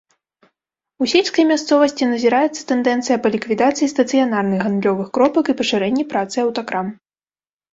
У сельскай мясцовасці назіраецца тэндэнцыя па ліквідацыі стацыянарных гандлёвых кропак і пашырэнні працы аўтакрам.